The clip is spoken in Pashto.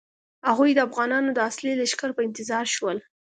هغوی د افغانانو د اصلي لښکر په انتظار شول.